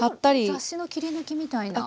雑誌の切り抜きみたいな。